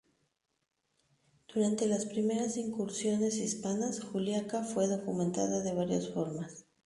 Durante las primeras incursiones hispanas, Juliaca fue documentada de varias formas.